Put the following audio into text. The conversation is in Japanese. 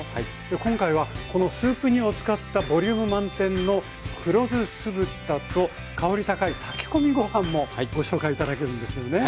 今回はこのスープ煮を使ったボリューム満点の黒酢酢豚と香り高い炊き込みご飯もご紹介頂けるんですよね。